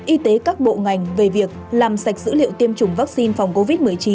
y tế các bộ ngành về việc làm sạch dữ liệu tiêm chủng vaccine phòng covid một mươi chín